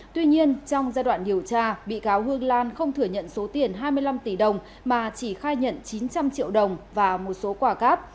tuy nhiên trong giai đoạn điều tra bị cáo hương lan không thừa nhận số tiền hai mươi năm tỷ đồng mà chỉ khai nhận chín trăm linh triệu đồng và một số quả cát